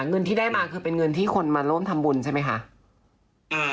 เงินที่ได้มาคือเป็นเงินที่คนมาร่วมทำบุญใช่ไหมคะ